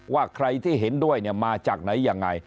ว่าใครที่เห็นด้วยมาจากไหนยังไง